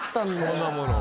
そんなもの。